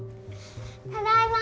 ただいま。